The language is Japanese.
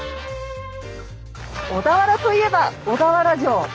小田原といえば小田原城。